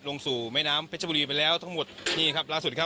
ลงสู่แม่น้ำเพชรบุรีไปแล้วทั้งหมดนี่ครับล่าสุดครับ